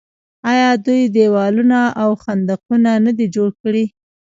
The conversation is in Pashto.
آیا دوی دیوالونه او خندقونه نه دي جوړ کړي؟